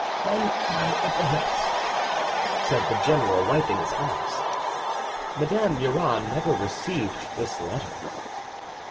"On my epaulettes," said the general, wiping his eyes. [Madame Murat never received this letter.